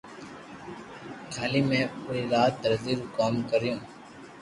ڪالي مي پري رات درزو رو ڪوم ڪريو